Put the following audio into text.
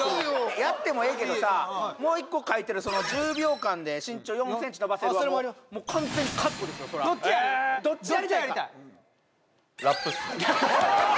やってもええけどさもう１個書いてる１０秒間で身長４ｃｍ伸ばせるはどっちやりたいかどっちやりたい？